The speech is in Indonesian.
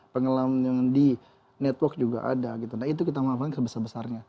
pengalaman yang di network juga ada nah itu kita menghafal yang sebesar besarnya